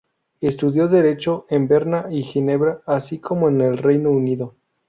Estudió derecho en Berna y Ginebra, así como en el Reino Unido.